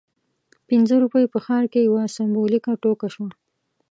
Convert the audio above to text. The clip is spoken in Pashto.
پنځه روپۍ په ښار کې یوه سمبولیکه ټوکه شوه.